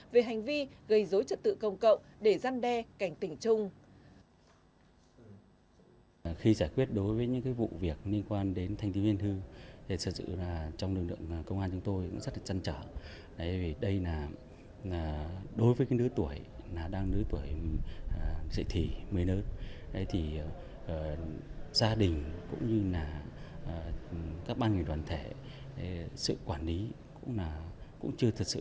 về hành vi gây dối trật tự công cộng để giăn đe cảnh tình chung